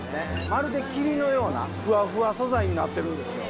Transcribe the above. まるで霧のようなふわふわ素材になってるんですよ。